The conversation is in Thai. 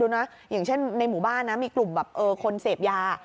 อย่างเช่นในหมู่บ้านนะมีกลุ่มแบบคนเสพยา